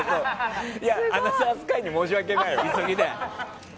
「アナザースカイ」に申し訳ないわ！